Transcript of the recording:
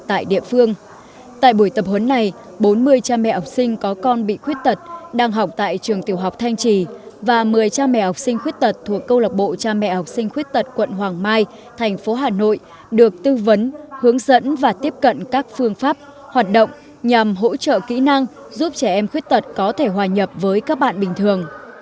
tại buổi tập huấn này bốn mươi cha mẹ học sinh có con bị khuyết tật đang học tại trường tiểu học thanh trì và một mươi cha mẹ học sinh khuyết tật thuộc câu lạc bộ cha mẹ học sinh khuyết tật quận hoàng mai thành phố hà nội được tư vấn hướng dẫn và tiếp cận các phương pháp hoạt động nhằm hỗ trợ kỹ năng giúp trẻ em khuyết tật có thể hòa nhập với các bạn bình thường